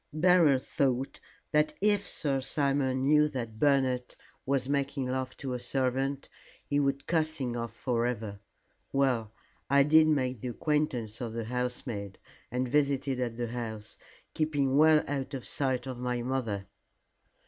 Beryl thought that if Sir Simon knew that Bernard was making love to a servant, he would cast him off for ever. Well, I did make the acquaintance of the housemaid and visited at the house, keeping well out of sight of my mother."